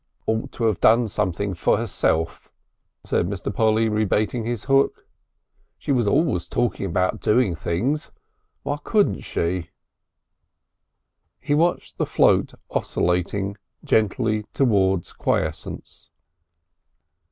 "Ought to have done something for herself," said Mr. Polly, rebaiting his hook. "She was always talking of doing things. Why couldn't she?" He watched the float oscillating gently towards quiescence.